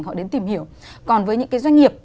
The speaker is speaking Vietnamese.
họ đến tìm hiểu còn với những cái doanh nghiệp